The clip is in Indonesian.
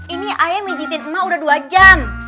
ini ayah mijetin emak udah dua jam